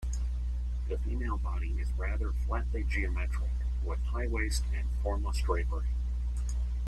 The female body is rather flatly geometric, with high waist and formless drapery.